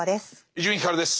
伊集院光です。